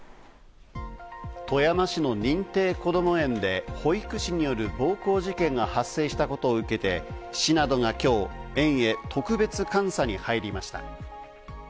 富山市の認定こども園で保育士による暴行事件が発生したことを受けて、市などが今日、園へ特別監査に入りました。